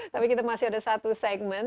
tapi kita masih ada satu segmen